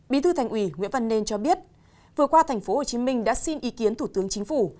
bí thư thành ủy nguyễn văn nên cho biết vừa qua tp hcm đã xin ý kiến thủ tướng chính phủ